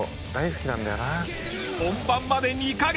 本番まで２カ月。